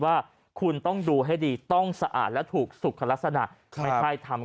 ว่าคุณต้องดูให้ดีต้องสะอาดและถูกสุขลักษณะไม่ใช่ทำ